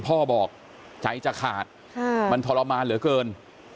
พ่อบอกใจจะขาดมันทรมานเหลือเกิน